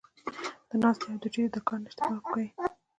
د ناستې او د ټيټې د کار نۀ اجتناب کوي -